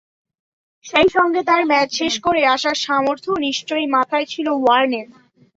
সেই সঙ্গে তাঁর ম্যাচ শেষ করে আসার সামর্থ্যও নিশ্চয়ই মাথায় ছিল ওয়ার্নের।